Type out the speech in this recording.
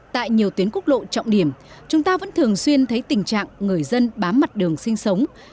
tại nhiều tuyến quốc lộ trọng điểm chúng ta vẫn thường xuyên thấy tình trạng người dân bám mặt đường sinh sống